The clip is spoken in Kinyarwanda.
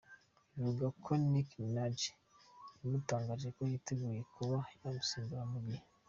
Bivugwa ko Nicki Minaj yamutangarije ko yiteguye kuba yamusimbura mu gihe.